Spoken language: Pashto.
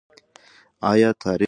ايا تاريخ د عبرت لپاره نه دی؟